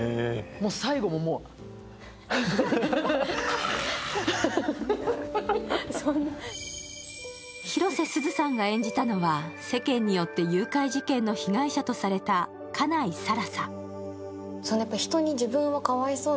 最後ももう広瀬すずさんが演じたのは、世間によって誘拐事件の被害者とされた家内更紗。